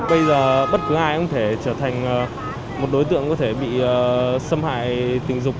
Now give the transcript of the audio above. bây giờ bất cứ ai cũng thể trở thành một đối tượng có thể bị xâm hại tình dục